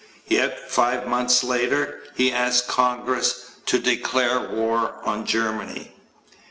Yet, five months later he asked Congress to declare war on Germany.